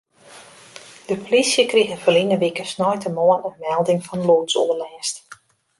De plysje krige ferline wike sneintemoarn in melding fan lûdsoerlêst.